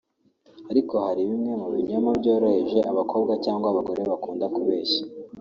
ariko hari bimwe mu binyoma byoroheje abakobwa cyangwa abagore bakunda kubeshya